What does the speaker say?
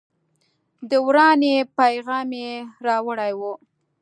د ورانۍ پیغام یې راوړی و.